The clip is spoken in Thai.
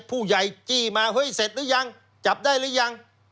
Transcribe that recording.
ผู้ใหญ่จี้มาเฮ้ยเสร็จหรือยังจับได้หรือยัง